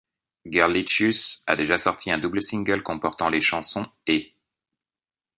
Girlicious a déjà sorti un double single comportant les chansons ' et '.